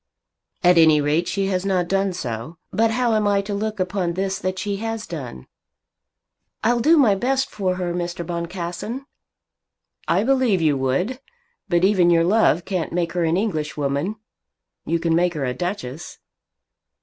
"At any rate she has not done so. But how am I to look upon this that she has done?" "I'll do my best for her, Mr. Boncassen." "I believe you would. But even your love can't make her an Englishwoman. You can make her a Duchess."